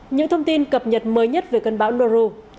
những thông tin cập nhật mới nhất về cơn bão doru